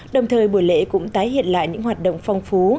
đồng thời buổi lễ cũng tái hiện lại những hoạt động phong phú